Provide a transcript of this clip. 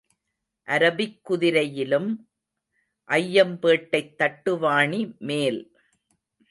Arabic குதிரையிலும் ஐயம்பேட்டைத் தட்டுவாணி மேல்.